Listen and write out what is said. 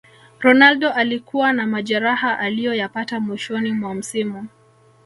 ronaldo alikuwa na majeraha aliyoyapata mwishoni mwa msimu